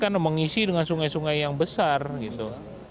karena ini kan mengisi dengan sungai sungai yang besar gitu